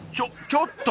ちょっと。